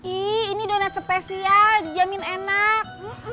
ih ini donat spesial dijamin enak